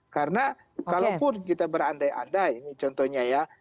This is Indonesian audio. karena kalaupun kita berandai andai ini contohnya ya